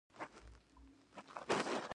تاسو مجبور یاست دا هر یو تجربه کړئ.